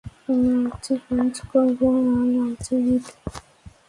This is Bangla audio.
আর্চি, ল্যান্স কর্পোরাল আর্চি রিড।